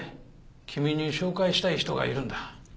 君に紹介したい人がいるんだ。